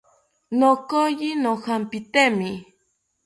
Nokoyi nojampitemi